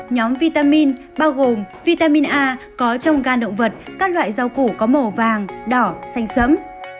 nhóm vitamin bao gồm vitamin a có trong gan động vật các loại rau củ có màu vàng đỏ xanh sẫm